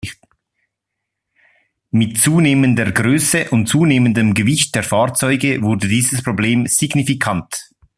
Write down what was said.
Mit zunehmender Größe und zunehmendem Gewicht der Fahrzeuge wurde dieses Problem signifikant.